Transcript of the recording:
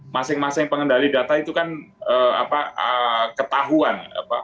masing masing pengendali data itu kan ketahuan